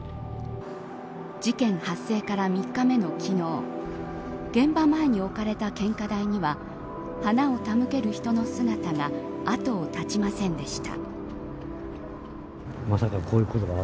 事件発生から３日目の昨日現場前に置かれた献花台には花を手向ける人の姿が後を絶ちませんでした。